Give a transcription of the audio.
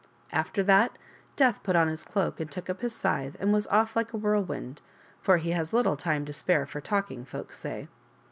After that Death put on his cloak and took up his scythe and was off like a whirlwind, for he has little time to spare for talking, folks say.